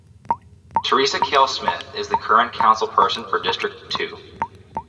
Theresa Kail-Smith is the current Councilperson for district two.